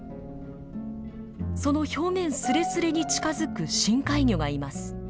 その表面すれすれに近づく深海魚がいます。